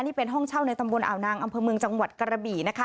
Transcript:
นี่เป็นห้องเช่าในตำบลอ่าวนางอำเภอเมืองจังหวัดกระบี่นะคะ